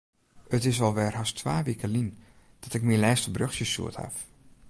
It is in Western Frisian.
It is alwer hast twa wike lyn dat ik myn lêste berjochtsje stjoerd haw.